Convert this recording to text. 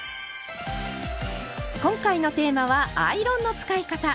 今回のテーマは「アイロンの使い方」。